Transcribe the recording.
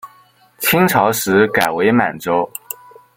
清朝时改为满洲。